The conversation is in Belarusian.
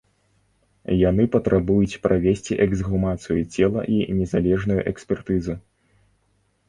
Яны патрабуюць правесці эксгумацыю цела і незалежную экспертызу.